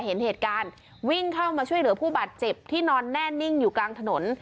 เห็นเหตุการณ์วิ่งเข้ามาช่วยเหลือผู้บาดเจ็บที่นอนแน่นิ่งอยู่กลางถนน